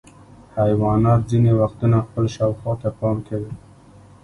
حیوانات ځینې وختونه خپل شاوخوا ته پام کوي.